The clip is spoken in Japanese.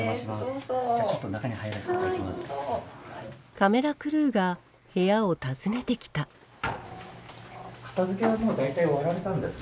カメラクルーが部屋を訪ねてきた片づけはもう大体終わられたんですか？